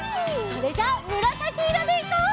それじゃあむらさきいろでいこう！